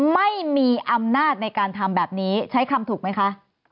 ไม่มีอำนาจในการทำแบบนี้ใช้คำถูกไหมคะ